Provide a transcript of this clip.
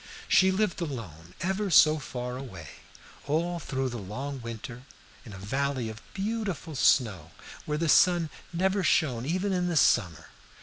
She lived alone, ever so far away, all through the long winter, in a valley of beautiful snow, where the sun never shone even in the summer.